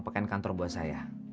pakaian kantor buat saya